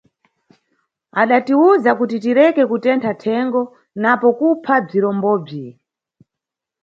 Adatiwuza kuti tireke kutentha thengo napo kupha bzirombobzi.